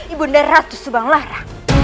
ibu nda ratu subang lara